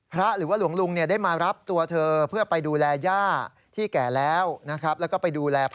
ไปเลี้ยงดูพร้อมกับลูกสาวของพระ